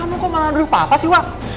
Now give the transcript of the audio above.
kamu kok malah nuduh papa sih wak